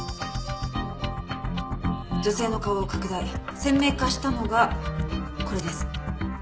女性の顔を拡大鮮明化したのがこれです。